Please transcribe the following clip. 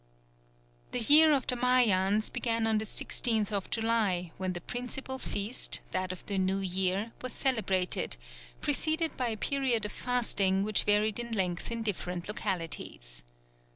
The year of the Mayans began on the 16th of July, when the principal feast, that of the New Year, was celebrated, preceded by a period of fasting which varied in length in different localities.